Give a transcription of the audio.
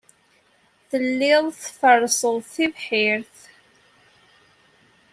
Telliḍ tferrseḍ tibḥirt.